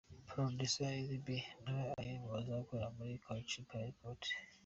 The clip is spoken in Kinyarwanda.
Producer Niz B nawe ni umwe mu bazakorera muri Culture Empire Record.